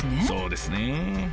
そうですねえ。